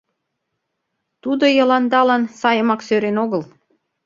Тудо Йыландалан сайымак сӧрен огыл.